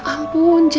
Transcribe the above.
udah bangun dulu ya